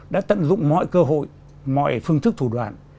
đã tận dụng mọi cơ hội mọi phương thức thủ đoạn